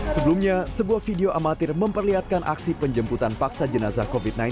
sebelumnya sebuah video amatir memperlihatkan aksi penjemputan paksa jenazah covid sembilan belas